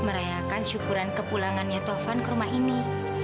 merayakan syukuran kepulangannya tovan ke rumah ini